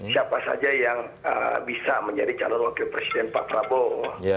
siapa saja yang bisa menjadi calon wakil presiden pak prabowo